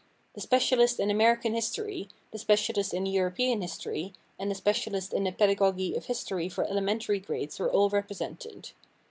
The specialist in American history, the specialist in European history, and the specialist in the pedagogy of history for elementary grades were all represented.